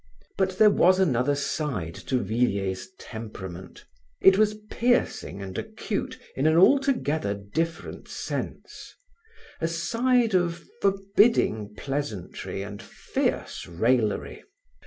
But there was another side to Villiers' temperament. It was piercing and acute in an altogether different sense a side of forbidding pleasantry and fierce raillery.